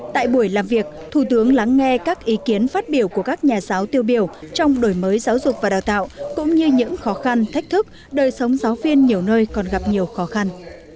tại buổi làm việc thủ tướng lắng nghe các ý kiến phát biểu của các nhà giáo tiêu biểu trong đổi mới giáo dục và đào tạo cũng như những khó khăn thách thức đời sống giáo viên nhiều nơi còn gặp nhiều khó khăn